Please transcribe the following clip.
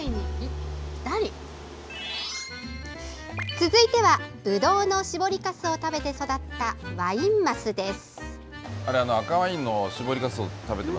続いてはぶどうの搾りかすを食べて育ったワイン鱒です。